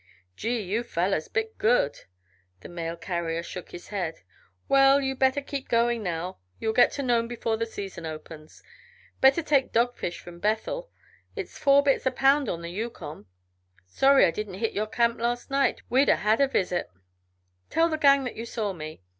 "Gee! You fellers bit good." The mail carrier shook his head. "Well! You'd better keep going now; you'll get to Nome before the season opens. Better take dogfish from Bethel it's four bits a pound on the Yukon. Sorry I didn't hit your camp last night; we'd 'a' had a visit. Tell the gang that you saw me."